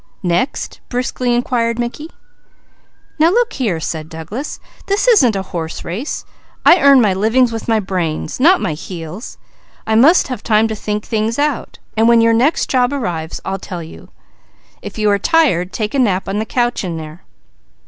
"Next?" briskly inquired Mickey. "Now look here," said Douglas. "This isn't a horse race. I earn my living with my brains, not my heels. I must have time to think things out; when your next job arrives I'll tell you. If you are tired, take a nap on that couch in there."